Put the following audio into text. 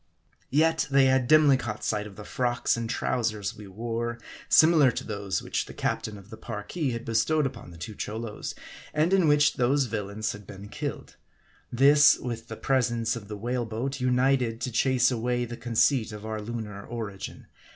Yet they had dimly caught sight of the frocks and trow sers we wore, similar to those which the captain of the Parki had bestowed upon the two Cholos, and in which those vil lains had been killed. This, with the presence of the whale boat, united to chase away the conceit of our lunar origin.